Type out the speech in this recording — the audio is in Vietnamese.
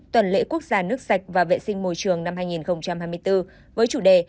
tuần lễ quốc gia nước sạch và vệ sinh môi trường năm hai nghìn hai mươi bốn với chủ đề